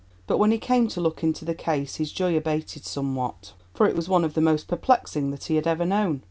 But when he came to look into the case his joy abated somewhat, for it was one of the most perplexing that he had ever known.